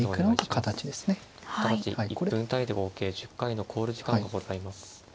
１分単位で合計１０回の考慮時間がございます。